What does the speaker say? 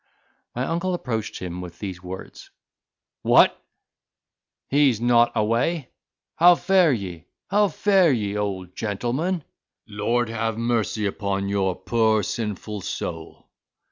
My uncle approached him with these words, "What! he's not a weigh. How fare ye? how fare ye, old gentleman? Lord have mercy upon your poor sinful soul!"